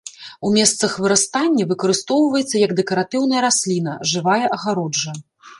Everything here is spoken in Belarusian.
У месцах вырастання выкарыстоўваецца як дэкаратыўная расліна, жывая агароджа.